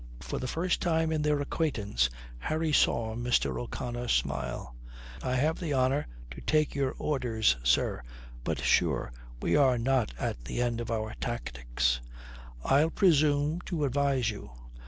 For the first time in their acquaintance, Harry saw Mr. O'Connor smile. "I have the honour to take your orders, sir. But sure, we are not at the end of our tactics. I'll presume to advise you.